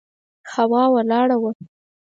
هوا ولاړه وه.